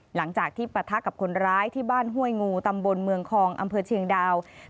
หลังจากที่ปะทะกับคนร้ายที่บ้านห้วยงูตำบลเมืองคองอำเภอเชียงดาว